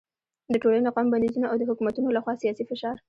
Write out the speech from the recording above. د ټولنې، قوم بندیزونه او د حکومتونو له خوا سیاسي فشار